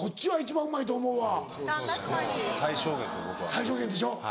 最小限でしょ。